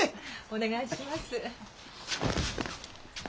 お願いします。